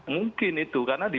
mungkin itu karena di